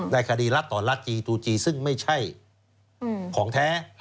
ในคดีรัฐต่อรัฐจีจูจีซึ่งไม่ใช่ของแท้